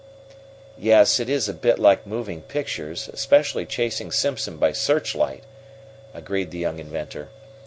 "Yes, it is a bit like moving picture especially chasing Simpson by searchlight," agreed the young inventor.